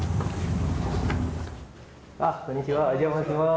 こんにちはお邪魔します。